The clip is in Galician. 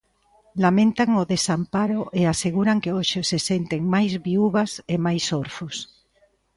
Lamentan o desamparo e aseguran que hoxe se senten máis viúvas e máis orfos.